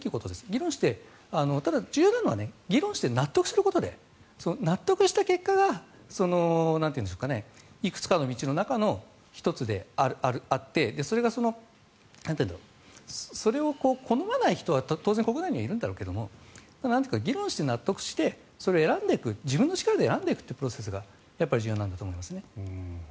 議論して、ただ重要なのは議論して納得することで納得した結果がいくつかの道の中の１つであってそれを好まない人は当然国内にはいるんだろうけれども議論して納得してそれを選んでいく自分の力で選んでいくというプロセスがやっぱり重要なんだと思いますね。